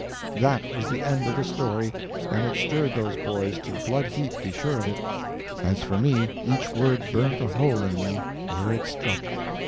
That was the end of the story, and it stirred those boys to blood heat, be sure of it. As for me each word burnt a hole in me where it struck.